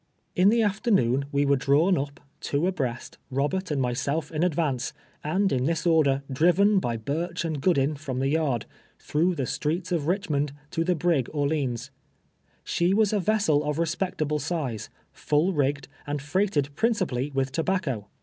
In the afternoon we \vere drawn up, two abreast, Robert and myself in advance, and in this order, driv^ en by Burch and Goodin from the yard, through the streets of Richmond to the brig Orleans, She was a vessel of respectable size, full rigged, and freighted principally with tobacco.